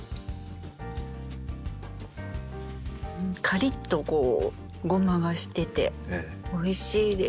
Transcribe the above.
カリッとゴマがしてておいしいです。